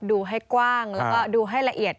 ดูให้กว้างแล้วก็ดูให้ละเอียด